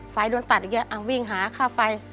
ฟัยโดนตัดอีกแล้ววิ่งหาค่าไฟ